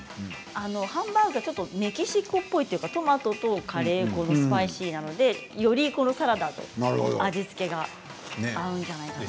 ハンバーグはメキシコっぽいというかトマトとカレー粉でスパイシーなのでよりサラダの味付けが合うのではないかと。